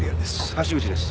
橋口です。